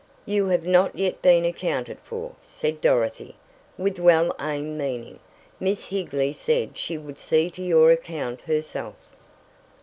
"You have not yet been accounted for," said Dorothy, with well aimed meaning. "Miss Higley said she would see to your account herself."